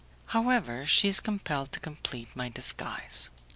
However, she is compelled to complete my disguise.